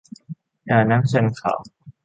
อย่านั่งชันเข่า